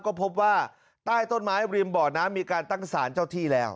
ก็พบว่าใต้ต้นไม้ริมบ่อน้ำมีการตั้งสารเจ้าที่แล้ว